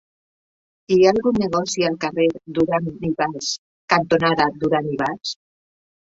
Hi ha algun negoci al carrer Duran i Bas cantonada Duran i Bas?